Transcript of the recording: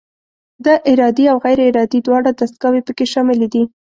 دا ارادي او غیر ارادي دواړه دستګاوې پکې شاملې دي.